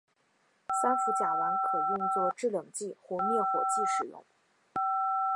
三氟甲烷可用作制冷剂或灭火剂使用。